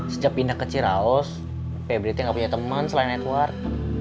sejak pindah ke ciraos febriti nggak punya teman selain edward